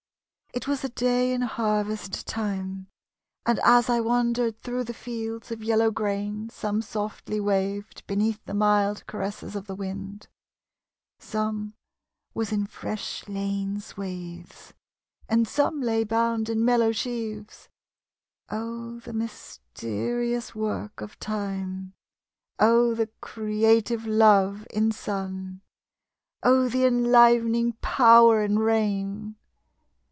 It was a day in harvest time, And as I wandered thro' the fields Of yellow grain, some softly waved Beneath the mild caresses of the wind; Some was in fresh lain swathes; And some lay bound in mellow sheaves Oh, the mysterious work of time! Oh, the creative Love in sun! Oh, the enlivening Power in rain!